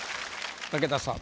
武田さん